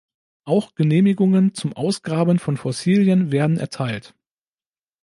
Auch Genehmigungen zum Ausgraben von Fossilien werden erteilt.